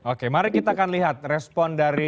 oke mari kita akan lihat respon dari